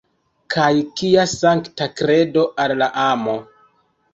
Kaj kia sankta kredo al la amo!